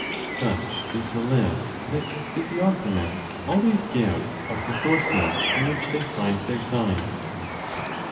Such is the list that physiognomists always give of the sources in which they find their signs.